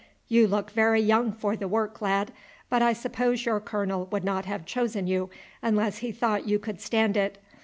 "You look very young for the work, lad; but I suppose your colonel would not have chosen you unless he thought you could stand it.